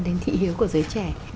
đến thị hiếu của giới trẻ